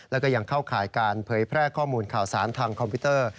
แล้วก็ยังเข้าข่ายการเผยแพร่ข้อมูลข่าวสารทางคอมพิวเตอร์